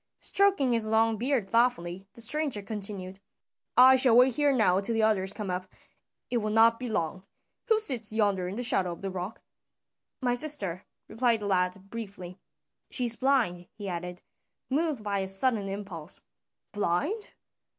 Stroking his long beard thoughtfully, the stranger continued, "I shall wait here now till the others come up, it will not be long. Who sits yonder in the shadow of the rock?" "My sister," replied the lad briefly. "She is blind," he added, moved by a sudden impulse. "Blind?